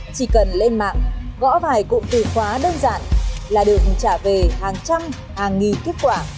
chỉ cần lên mạng gõ vài cụm từ khóa đơn giản là được trả về hàng trăm hàng nghìn kết quả